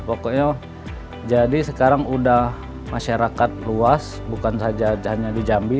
pokoknya jadi sekarang udah masyarakat luas bukan saja hanya di jambi